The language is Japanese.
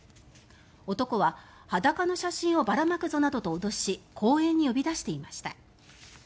男は、裸の写真をばらまくぞなどと脅し公園に呼び出していました。